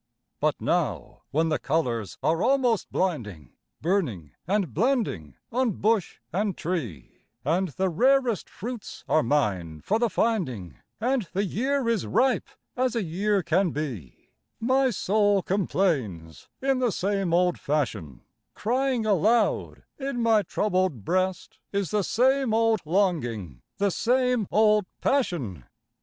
But now when the colours are almost blinding, Burning and blending on bush and tree, And the rarest fruits are mine for the finding, And the year is ripe as a year can be, My soul complains in the same old fashion; Crying aloud in my troubled breast Is the same old longing, the same old passion.